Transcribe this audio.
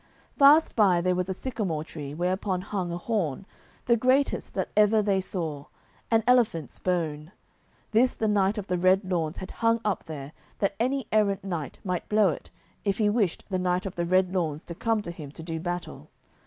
Fast by there was a sycamore tree, whereupon hung a horn, the greatest that ever they saw, of an elephant's bone. This the Knight of the Red Lawns had hung up there that any errant knight might blow it, if he wished the Knight of the Red Lawns to come to him to do battle.